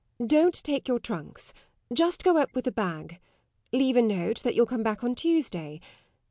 Don't take your trunks; just go up with a bag. Leave a note that you'll come back on Tuesday.